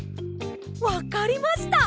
わかりました！